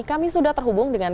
kami sudah terhubung dengan